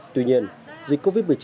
tuy nhiên dịch covid một mươi chín